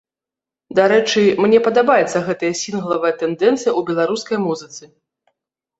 Дарэчы, мне падабаецца гэтая сінглавая тэндэнцыя ў беларускай музыцы.